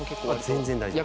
全然大丈夫です。